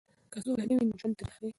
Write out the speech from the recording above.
که سوله نه وي نو ژوند تریخ دی.